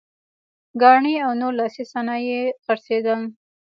ګاڼې او نور لاسي صنایع یې خرڅېدل.